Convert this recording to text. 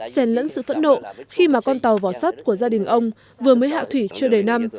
xen lẫn sự phẫn độ khi mà con tàu vỏ sắt của gia đình ông vừa mới hạ thủy chưa đầy năm